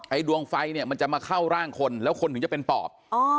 ดวงไฟเนี่ยมันจะมาเข้าร่างคนแล้วคนถึงจะเป็นปอบ